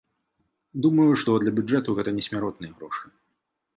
Думаю, што для бюджэту гэта не смяротныя грошы.